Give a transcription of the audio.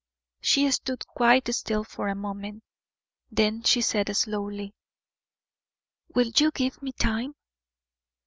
She stood quite still for one moment; then she said slowly: "Will you give me time?"